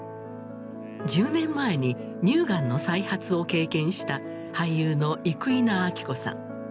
１０年前に乳がんの再発を経験した俳優の生稲晃子さん。